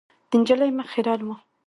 د نجلۍ مخ خیرن و .